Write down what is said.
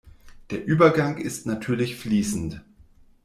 Der Übergang ist natürlich fließend.